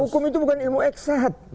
hukum itu bukan ilmu eksad